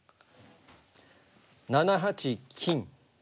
７八金。